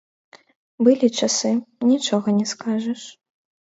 Былі часы, нічога не скажаш.